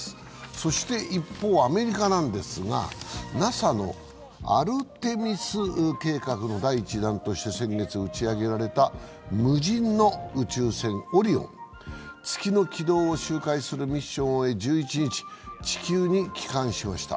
そして一方アメリカなんですがＮＡＳＡのアルテミス計画の第１弾として先月打ち上げられた無人の宇宙船「オリオン」、月の軌道を周回するミッションを終え、１１日、地球に帰還しました。